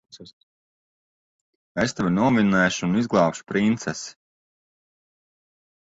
Es tevi novinnēšu un izglābšu princesi.